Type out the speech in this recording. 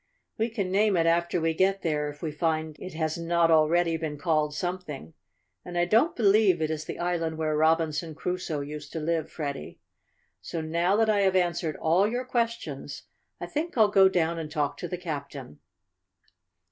We can name it after we get there if we find it has not already been called something. And I don't believe it is the island where Robinson Crusoe used to live, Freddie. So now that I have answered all your questions, I think I'll go down and talk to the captain."